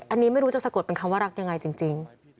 อันนี้ไม่รู้จะสะกดเป็นคำว่ารักยังไงจริง